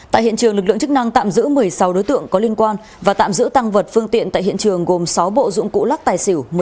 tại hiện trường lực lượng chức năng tạm giữ một mươi sáu đối tượng có liên quan và tạm giữ tăng vật phương tiện tại hiện trường gồm sáu bộ dụng cụ lắc tài xỉu